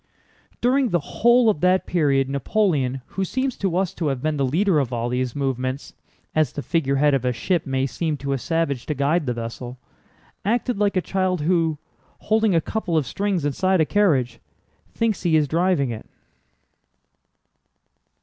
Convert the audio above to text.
During the whole of that period Napoleon, who seems to us to have been the leader of all these movements—as the figurehead of a ship may seem to a savage to guide the vessel—acted like a child who, holding a couple of strings inside a carriage, thinks he is driving it.